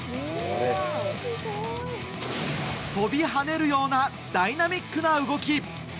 飛び跳ねるようなダイナミックな動き。